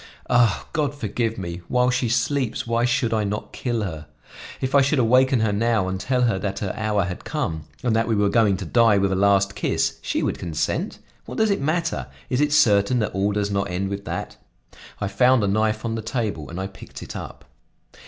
Ah! God forgive me! While she sleeps why should I not kill her? If I should awaken her now and tell her that her hour had come and that we were going to die with a last kiss, she would consent. What does it matter? Is it certain that all does not end with that?" I found a knife on the table and I picked it up.